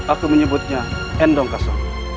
aku menyebutnya endongkaso